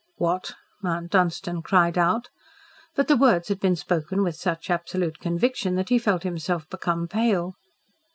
"What!" Mount Dunstan cried out. But the words had been spoken with such absolute conviction that he felt himself become pale.